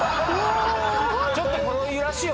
ちょっとこの揺らしを。